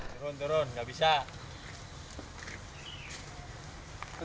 turun turun nggak bisa